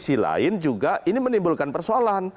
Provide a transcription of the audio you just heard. di sisi lain juga ini menimbulkan persoalan